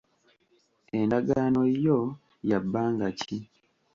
Endagaana yo ya bbanga ki?